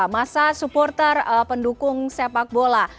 masa supporter pendukung sepak bola